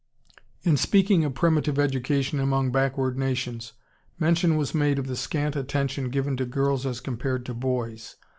] In speaking of primitive education among backward nations, mention was made of the scant attention given to girls as compared to boys.